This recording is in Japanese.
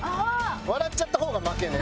笑っちゃった方が負けね。